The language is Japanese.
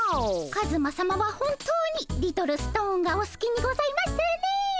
カズマさまは本当にリトルストーンがお好きにございますねえ。